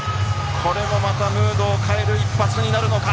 これもまたムードを変える一発になるのか。